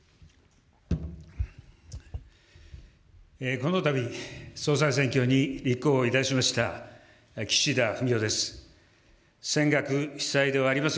このたび総裁選挙に立候補いたしました、岸田文雄です。